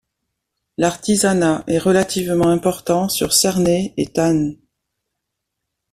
L'artisanat est relativement important sur Cernay et Thann.